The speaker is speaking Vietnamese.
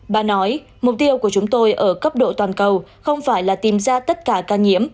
bà nói mục tiêu của chúng tôi ở cấp độ toàn cầu không phải là tìm ra tất cả ca nhiễm